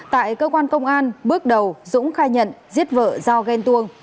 tại cơ quan công an bước đầu dũng khai nhận giết vợ do ghen tuông